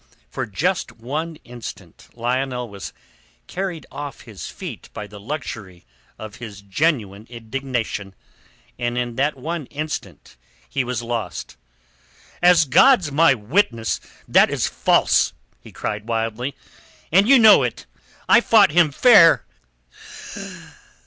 For just one instant Lionel was carried off his feet by the luxury of his genuine indignation, and in that one instant he was lost. "As God's my witness, that is false!" he cried wildly. "And you know it. I fought him fair...."